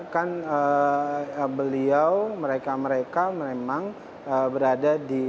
kan beliau mereka mereka memang berada di